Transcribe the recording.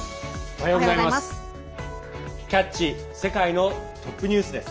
おはようございます。